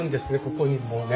ここにこうね。